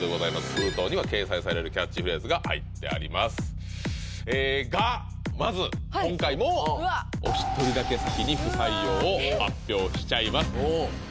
封筒には掲載されるキャッチフレーズが入ってありますえがまず今回もを発表しちゃいます